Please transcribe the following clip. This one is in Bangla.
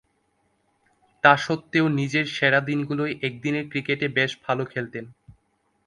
তাসত্ত্বেও, নিজের সেরা দিনগুলোয় একদিনের ক্রিকেটে বেশ ভালো খেলতেন।